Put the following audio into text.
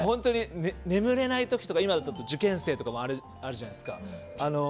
眠れない時とか今だと、受験生とかもあるじゃないですか。